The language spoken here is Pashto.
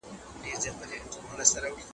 تخلیقي ادب د نوښت مانا ورکوي.